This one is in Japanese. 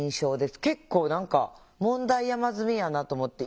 結構何か問題山積みやなと思って。